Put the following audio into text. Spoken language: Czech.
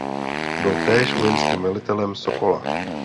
Byl též vojenským velitelem Sokola.